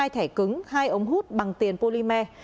hai thẻ cứng hai ống hút bằng tiền polymer